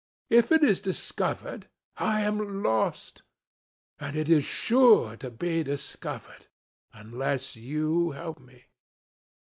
If it is discovered, I am lost; and it is sure to be discovered unless you help me."